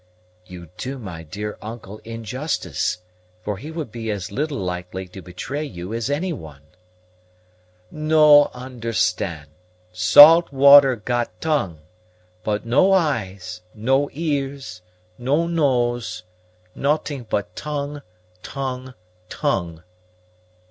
"You do my dear uncle injustice, for he would be as little likely to betray you as any one." "No understand. Saltwater got tongue, but no eyes, no ears, no nose not'ing but tongue, tongue, tongue!"